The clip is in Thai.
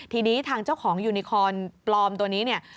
ทีนี้ทางเจ้าของยูนิคอร์นปลอมตัวนี้